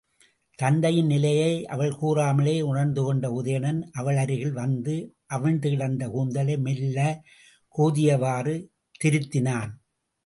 தத்தையின் நிலையை அவள் கூறாமலே உணர்ந்துகொண்ட உதயணன், அவளருகில் வந்து அவிழ்ந்துகிடந்த கூந்தலை மெல்லக் கோதியவாறு திருத்தினான்.